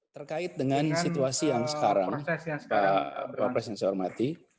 terkait dengan situasi yang sekarang pak presiden saya hormati